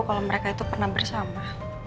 kalau mereka itu pernah bersama